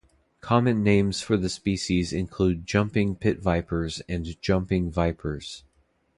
Common names for the species include jumping pitvipers and jumping vipers.